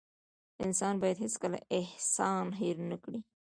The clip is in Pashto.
انسان بايد هيڅکله احسان هېر نه کړي .